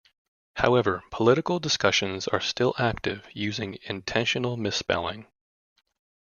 However, political discussions are still active using intentional misspelling.